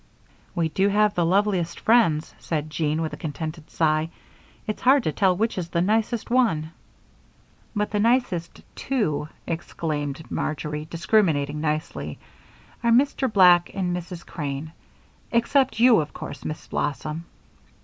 "We do have the loveliest friends," said Jean, with a contented sigh. "It's hard to tell which is the nicest one." "But the dearest two," exclaimed Marjory, discriminating nicely, "are Mr. Black and Mrs. Crane except you, of course, Miss Blossom."